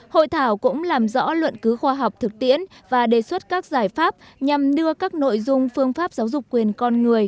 hội thảo cũng làm rõ luận cứ khoa học thực tiễn và đề xuất các giải pháp nhằm đưa các nội dung phương pháp giáo dục quyền con người